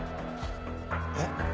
えっ？